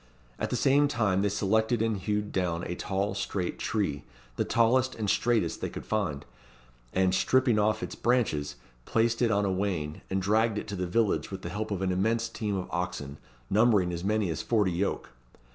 At the same time they selected and hewed down a tall, straight tree the tallest and straightest they could find; and, stripping off its branches, placed it on a wain, and dragged it to the village with the help of an immense team of oxen, numbering as many as forty yoke.